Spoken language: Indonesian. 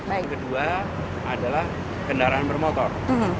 yang kedua adalah kendaraan bermotor